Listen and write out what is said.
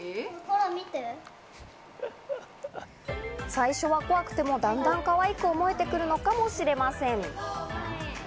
最初は怖くても、だんだんかわいく思えてくるのかもしれません。